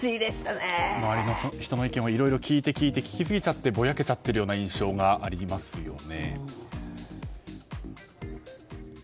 周りの人の意見をいろいろ聞きすぎちゃってぼやけちゃっているような印象がありますよね。